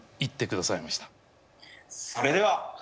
それでは。